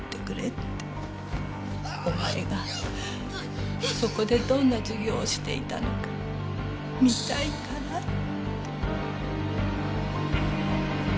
お前がそこでどんな授業をしていたのか見たいからって。